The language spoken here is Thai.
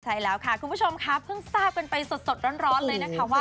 ใช่แล้วค่ะคุณผู้ชมค่ะเพิ่งทราบกันไปสดร้อนเลยนะคะว่า